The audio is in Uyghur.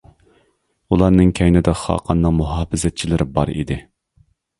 ئۇلارنىڭ كەينىدە خاقاننىڭ مۇھاپىزەتچىلىرى بار ئىدى.